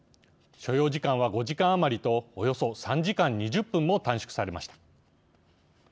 所要時間は５時間余りとおよそ３時間２０分も短縮されました。